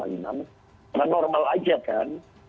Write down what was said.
karena normal aja kan